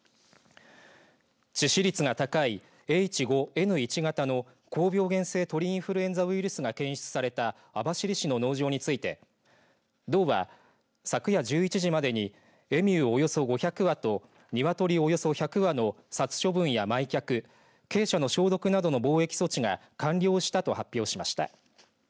致死率がＨ５Ｎ１型の高病原性鳥インフルエンザウイルスが検出された網走市の農場について道は昨夜１１時までにエミュー、およそ５００羽とニワトリおよそ１００羽の殺処分や埋却、鶏舎の消毒などの防疫措置が完了したと発表しました。